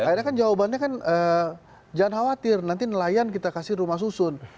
akhirnya kan jawabannya kan jangan khawatir nanti nelayan kita kasih rumah susun